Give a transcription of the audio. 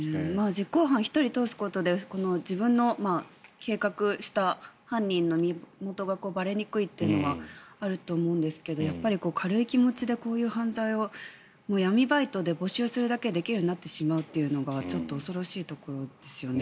実行犯１人を通すことで自分の計画した犯人の身元がばれにくいというのはあると思うんですがやっぱり軽い気持ちでこういう犯罪を闇バイトで募集するだけでできるようになってしまうというのがちょっと恐ろしいところですよね。